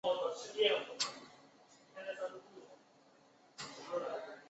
总部位于湖北省襄樊市。